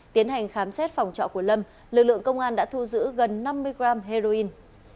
tiến hành khám xét phòng trọ của lâm lực lượng công an đã thu giữ gần năm mươi gram heroin